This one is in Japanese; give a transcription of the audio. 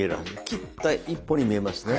切った１本に見えますね？